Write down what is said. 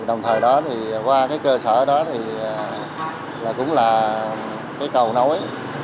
đồng thời đó qua cơ sở đó cũng là cầu nối